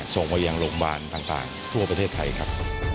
ส่งไปยังโรงพยาบาลต่างทั่วประเทศไทยครับ